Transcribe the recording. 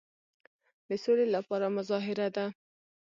د سولي لپاره مظاهره ده.